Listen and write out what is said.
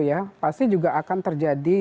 ya pasti juga akan terjadi